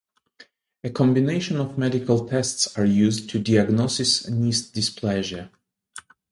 A combination of medical tests are used to diagnosis kniest dysplasia.